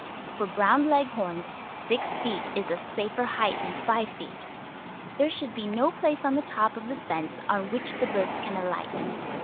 For Brown Leghorns six feet is a safer height than five feet. There should be no place on the top of the fence on which the birds can alight.